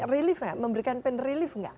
relief ya memberikan pen relief nggak